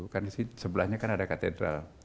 karena di sebelahnya kan ada katedral